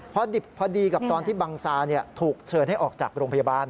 พอดิบพอดีกับตอนที่บังซาถูกเชิญให้ออกจากโรงพยาบาล